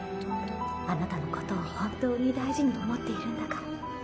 あなたのことを本当に大事に思っているんだから。